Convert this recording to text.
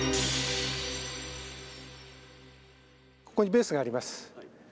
ここにベースがあります。